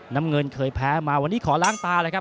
น้ำเงินเคยแพ้มาวันนี้ขอล้างตาเลยครับ